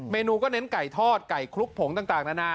เมนูก็เน้นไก่ทอดไก่คลุกผงต่างนานา